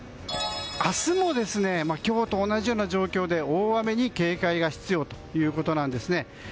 明日も今日と同じような状況で大雨に警戒が必要ということです。